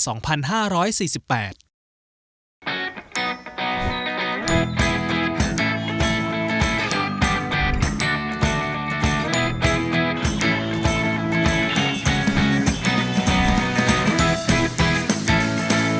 ทั้งข้างช่วยปียวาศาสตราการของเมียดริตเซอร์ศัพท์